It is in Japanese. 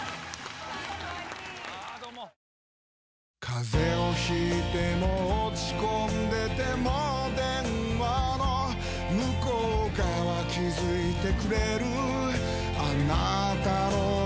風邪を引いても落ち込んでても電話の向こう側気付いてくれるあなたの声